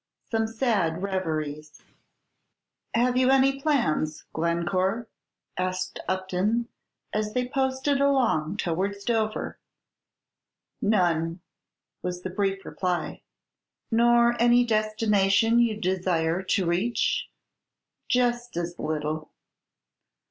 SOME SAD REVERIES "Have you any plans, Glencore?" asked Upton, as they posted along towards Dover. "None," was the brief reply. "Nor any destination you desire to reach?" "Just as little."